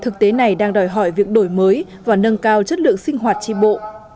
tổ lượng đảng viên này đang đòi hỏi việc đổi mới và nâng cao chất lượng sinh hoạt tri bộ